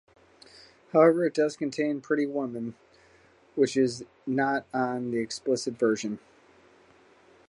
However, it does contain "Pretty Woman", which is not on the explicit version.